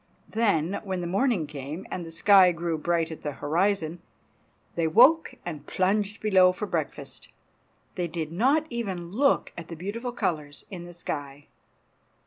Then, when the morning came, and the sky grew bright at the horizon, they woke and plunged below for breakfast. They did not even look at the beautiful colors in the sky.